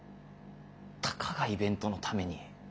たかがイベントのために。